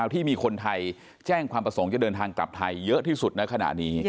ที่มีคนไทยแจ้งความประสงค์จะเดินทางกลับไทยเยอะที่สุดในขณะนี้